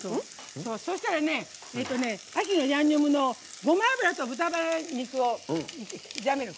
そうしたら「秋のヤンニョム」のごま油と豚バラ肉を炒める。